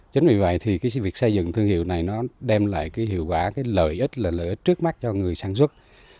chính vì vậy thì việc xây dựng thương hiệu này nó đem lại hiệu quả lợi ích lợi ích trước mắt cho người sản xuất